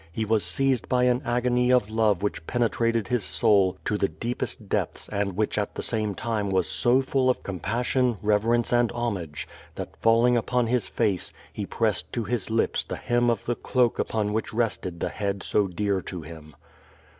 He was seized by an agony of love which penetrated his soul to the deej^est depths and which at the same time was so full of compassion, reverence and homage, that falling upon his face, he pressed to his lips the hem of the cloak upon which rested the head so dear to him.